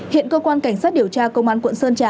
hiện cơ quan cảnh sát điều tra công an quận sơn trà